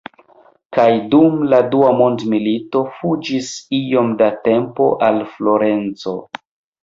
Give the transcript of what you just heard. Kaj dum la Dua Mondmilito fuĝis iom da tempo al Florenco.